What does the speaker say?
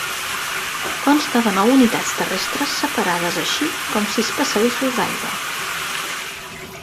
Consta de nou unitats terrestres separades així com sis passadissos d'aigua.